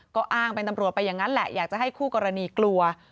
ก็อ้างเป็นตำรวจไปอย่างนั้นแหละอยากจะให้คู่กรณีกลัว